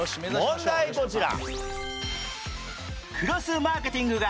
問題こちら。